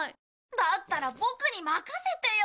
だったらボクに任せてよ！